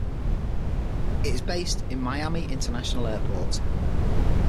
It is based in Miami International Airport.